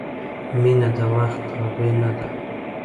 • مینه د وخت تابع نه ده.